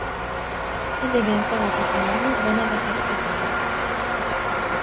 Idegen szavakat nem, de neveket igen.